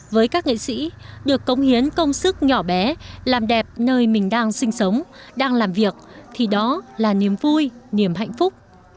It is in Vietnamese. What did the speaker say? với các nghệ sĩ được cống hiến công sức nhỏ bé làm đẹp nơi mình đang sinh sống đang làm việc thì đó là niềm vui niềm hạnh phúc